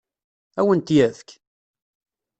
Ad awen-t-yefk?